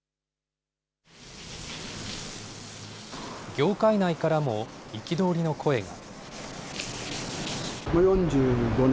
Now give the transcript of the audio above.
業界内からも憤りの声が。